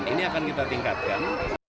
ini akan kita tingkatkan